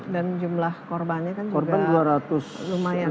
dan jumlah korbannya kan juga lumayan